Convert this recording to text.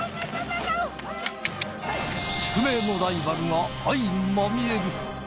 宿命のライバルがあいまみえる！